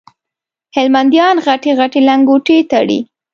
هلمنديان غټي غټي لنګوټې تړي